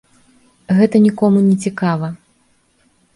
Гэта нікому не цікава.